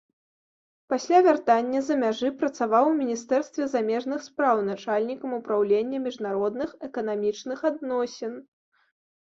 Пасля вяртання з-за мяжы працаваў у міністэрстве замежных спраў начальнікам упраўлення міжнародных эканамічных адносін.